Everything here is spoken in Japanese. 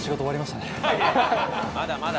まだまだ。